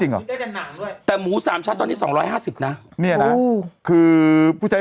เป็นการกระตุ้นการไหลเวียนของเลือด